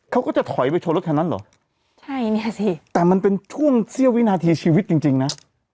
เขาก็จะถอยไปชนรถคันนั้นเหรอใช่เนี่ยสิแต่มันเป็นช่วงเสี้ยววินาทีชีวิตจริงจริงนะ